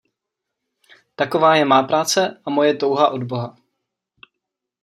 Taková je má práce a moje touha od boha.